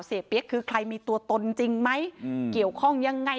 เปี๊ยกคือใครมีตัวตนจริงไหมเกี่ยวข้องยังไง